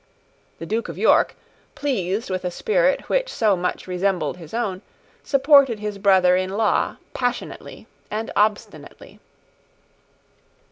The Duke of York, pleased with a spirit which so much resembled his own supported his brother in law passionately and obstinately.